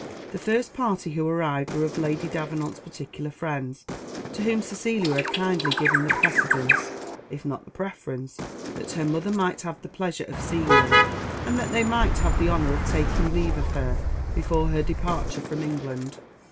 The first party who arrived were of Lady Davenant's particular friends, to whom Cecilia had kindly given the precedence, if not the preference, that her mother might have the pleasure of seeing them, and that they might have the honour of taking leave of her, before her departure from England.